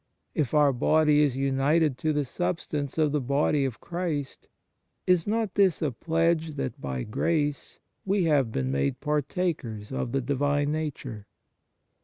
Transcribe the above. . If our body is united to the substance of the Body of Christ, is not this a pledge that by grace we have been made partakers of the Divine Nature